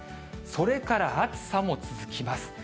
それから暑さも続きます。